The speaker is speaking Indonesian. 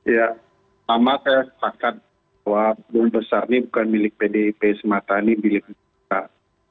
ya sama saya sepakat bahwa bung besar ini bukan milik pdip semata ini milik bung besar